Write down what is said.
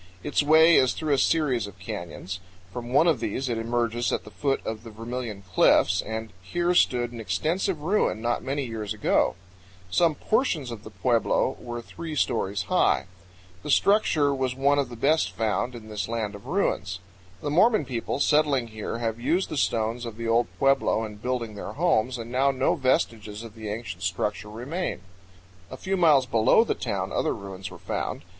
Its way is through a series of canyons. From one of these it emerges at the foot of the Vermilion Cliffs, and here stood an extensive ruin not many years ago. Some portions of the pueblo were three stories 108 CANYONS OF THE COLORADO. high. The structure was one of the best found in this land of ruins. The Mormon people settling here have used the stones of the old pueblo in building their homes, and now no vestiges of the ancient structure remain. A few miles below the town other ruins were found.